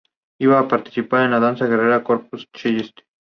Iban a participar en la danza guerrera de Corpus Christi.